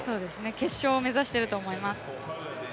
決勝を目指していると思います。